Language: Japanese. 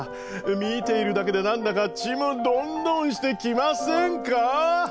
見ているだけで何だかちむどんどんしてきませんか？